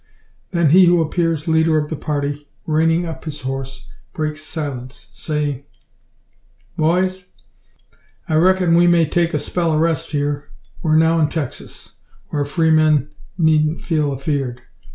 Then he who appears leader of the party, reining up his horse, breaks silence, saying "Boys! I reckon we may take a spell o' rest here. We're now in Texas, whar freemen needn't feel afeard.